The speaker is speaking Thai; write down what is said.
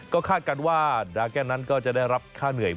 ก็คาดการณ์ว่าดาแกนนั้นก็จะได้รับค่าเหนื่อย